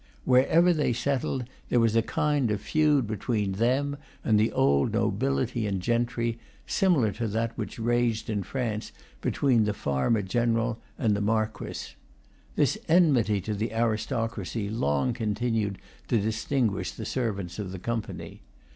Wherever they settled there was a kind of feud between them and the old nobility and gentry, similar to that which raged in France between the farmer general and the marquess. This enmity to the aristocracy long continued to distinguish the servants of the Company.